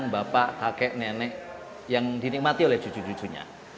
bapak kakek nenek yang dinikmati oleh cucu cucunya